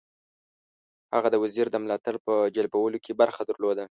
هغه د وزیرو د ملاتړ په جلبولو کې برخه درلوده.